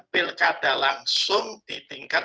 pilkada langsung di tingkat